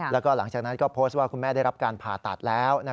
แล้วก็หลังจากนั้นก็โพสต์ว่าคุณแม่ได้รับการผ่าตัดแล้ว